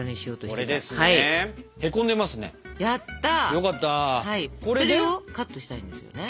それをカットしたいんですよね。